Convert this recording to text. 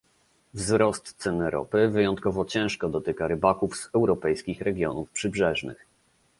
Wzrost cen ropy wyjątkowo ciężko dotyka rybaków z europejskich regionów przybrzeżnych